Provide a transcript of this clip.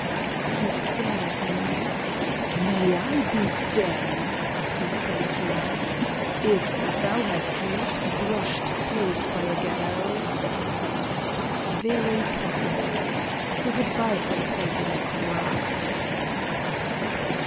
"He stared at me. 'May I be d d,' he said at last, 'if thou hast not brushed close by a gallows.' "'Very possibly. So good bye for the present, comrade!